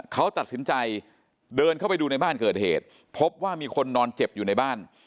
เขาตัดสินใจเดินเข้าไปดูในบ้านเกิดเหตุพบว่ามีคนนอนเจ็บอยู่ในบ้าน